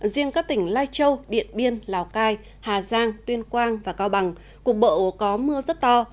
riêng các tỉnh lai châu điện biên lào cai hà giang tuyên quang và cao bằng cục bộ có mưa rất to